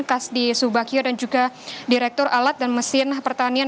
kasdi subakyo dan juga direktur alat dan mesin pertanian